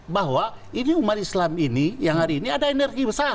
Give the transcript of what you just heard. bahwa ini umat islam ini yang hari ini ada energi besar